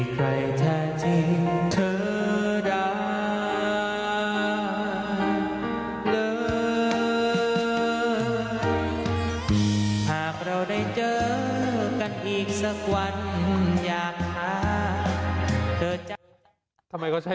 ถ้าเราได้เจอกันอีกสักวันอยากภาพเธอจะทำไมก็ใช้